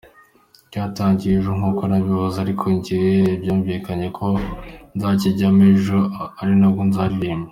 Cyatangiye ejo nkuko nabivuze ariko njye byumvikane ko nzakijyamo ejo ari nabwo nzaririmba.